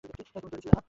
তুমি তৈরি ছিলে না।